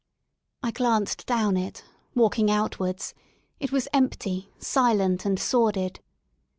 I glanced down it, walking out wards; it was empty, silent and sordid.